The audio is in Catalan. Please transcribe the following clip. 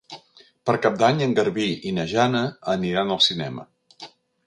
Per Cap d'Any en Garbí i na Jana aniran al cinema.